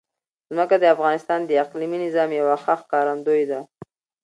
ځمکه د افغانستان د اقلیمي نظام یوه ښه ښکارندوی ده.